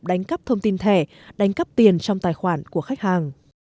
đánh cắp thông tin thẻ đánh cắp tiền trong tài khoản của khách hàng